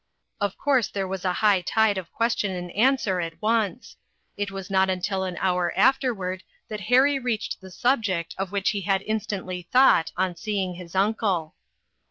Of course there was a high tide of ques tion and answer at once. It was not until an hour afterward that Harry reached the subject of which he had instantly thought, on seeing his uncle.